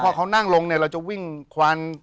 พอเขานั่งลงเนี่ยเราจะวิ่งควัน